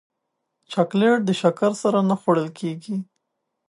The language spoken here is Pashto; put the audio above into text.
چاکلېټ د شکر سره نه خوړل کېږي.